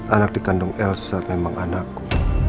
anak dikandung elsa memang anakku